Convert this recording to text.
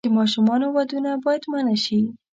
د ماشومانو ودونه باید منع شي.